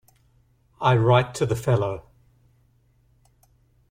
I write to the fellow.